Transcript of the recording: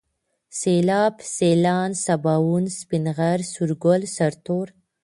سيلاب ، سيلان ، سباوون ، سپين غر ، سورگل ، سرتور